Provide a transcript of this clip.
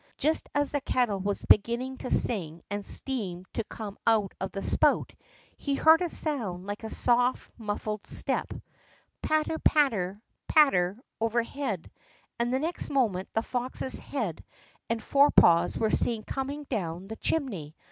Just as the kettle was beginning to sing and steam to come out of the spout he heard a sound like a soft, muffled step, patter, patter, patter overhead, and the next moment the fox's head and forepaws were seen coming down the chimney.